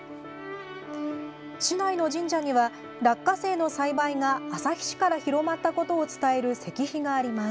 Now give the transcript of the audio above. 市内の神社には、落花生の栽培が旭市から広まったことを伝える石碑があります。